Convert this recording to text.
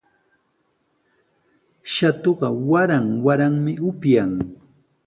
Shatuqa waran waranmi upyan.